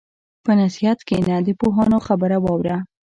په نصیحت کښېنه، د پوهانو خبره واوره.